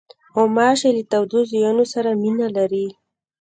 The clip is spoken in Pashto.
غوماشې له تودو ځایونو سره مینه لري.